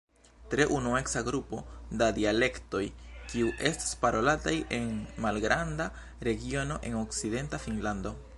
Tre unueca grupo da dialektoj, kiu estas parolataj en malgranda regiono en okcidenta Finnlando.